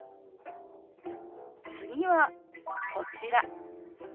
次はこちら。